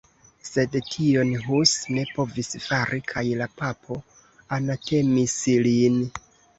Sed tion Hus ne povis fari kaj la papo anatemis lin.